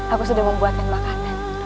aku sudah membuatkan makanan